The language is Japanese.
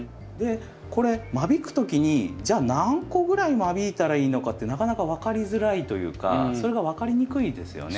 これ間引く時にじゃあ何個ぐらい間引いたらいいのかってなかなか分かりづらいというかそれが分かりにくいですよね。